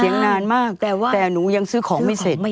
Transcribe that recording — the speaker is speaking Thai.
เสียงนานมากแต่หนูยังซื้อของไม่เสร็จ